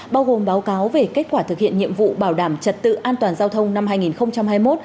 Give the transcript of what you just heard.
bao gồm báo cáo về kết quả thực hiện nhiệm vụ bảo đảm trật tự an toàn giao thông năm hai nghìn hai mươi một